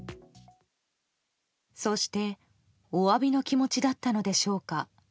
そして、お詫びの気持ちだったのでしょうか。